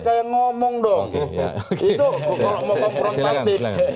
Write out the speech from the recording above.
itu kalau mau komprensatif